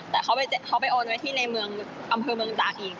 แต่เขาไปโอนไว้ที่ในเมืองอำเภอเมืองตากอีก